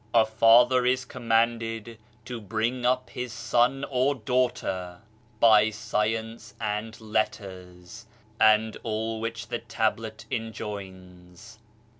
" A father is commanded to bring up his son or daughter by science and THE BAITU'L 'ADL 135 letters, and all which the Tablet enjoins.